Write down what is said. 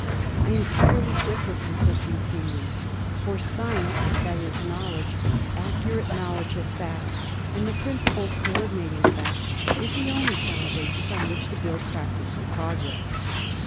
I entirely differ from such an opinion ; for science, that is knowledge, accurate knowledge of facts and the principles co ordinating facts, is the only sound basis on which to build practice and progress.